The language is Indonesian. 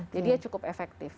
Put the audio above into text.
jadi dia cukup efektif